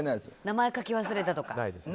名前書き忘れたとか？